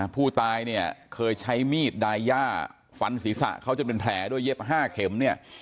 ผู้ตายเนี่ยเคยใช้มีดดายย่าฟันศีรษะเขาจนเป็นแผลด้วยเย็บ๕เข็มเนี่ย